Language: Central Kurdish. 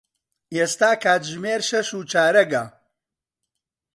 ئێستا کاتژمێر شەش و چارەگە.